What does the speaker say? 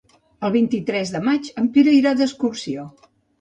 El vint-i-tres de maig en Pere irà d'excursió.